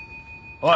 おい。